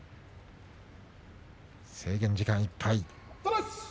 制限時間いっぱい。